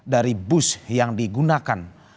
dari bus yang digunakan